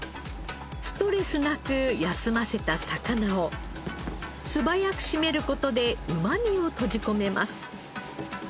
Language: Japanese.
ストレスなく休ませた魚を素早くしめる事でうまみを閉じ込めます。